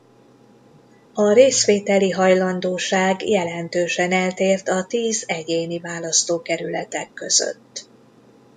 A részvételi hajlandóság jelentősen eltért a tíz egyéni választókerületek között.